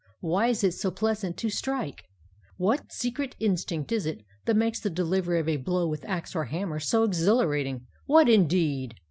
Why is it so pleasant to strike? What secret instinct is it that makes the delivery of a blow with axe or hammer so exhilarating?' What indeed!